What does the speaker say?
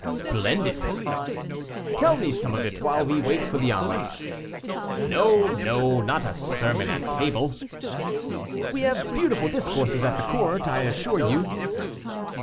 "Splendid." "Tell me some of it while we wait for the omelet." "No, no; not a sermon at table." "We have beautiful discourses at the court, I assure you."